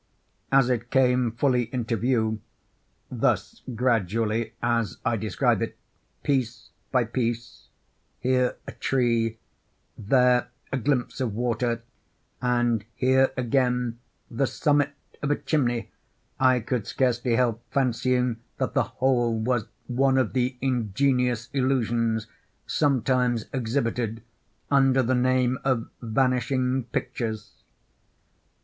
As it came fully into view—thus gradually as I describe it—piece by piece, here a tree, there a glimpse of water, and here again the summit of a chimney, I could scarcely help fancying that the whole was one of the ingenious illusions sometimes exhibited under the name of "vanishing pictures."